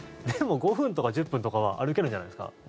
でも、５分とか１０分とか歩けるじゃないですか。